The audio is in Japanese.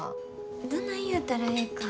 どない言うたらええか。